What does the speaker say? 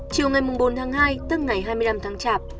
chiều ngày bốn tháng hai tức ngày hai mươi năm tháng chạp